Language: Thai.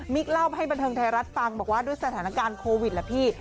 เล่าให้บันเทิงไทยรัฐฟังบอกว่าด้วยสถานการณ์โควิดแหละพี่